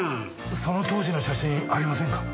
その当時の写真ありませんか？